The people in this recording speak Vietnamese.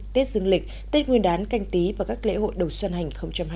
tết dương lịch tết nguyên đán canh tí và các lễ hội đầu xuân hành hai mươi